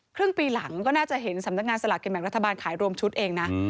ครึ่งปีหลังก็น่าจะเห็นสำนักงานสลากกินแบ่งรัฐบาลขายรวมชุดเองนะ